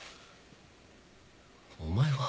お前は。